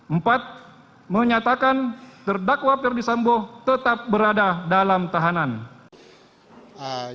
empat menyatakan terdakwa ferdisambo tetap berada dalam tahanan